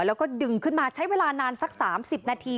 แล้วก็ดึงขึ้นมาใช้เวลานานสัก๓๐นาที